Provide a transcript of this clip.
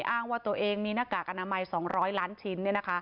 อ้างว่าตัวเองมีหน้ากากอนามัย๒๐๐ล้านชิ้น